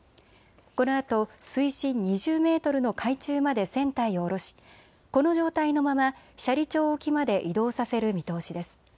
このあと水深２０メートルの海中まで船体を下ろしこの状態のまま斜里町沖まで移動させる見通しです。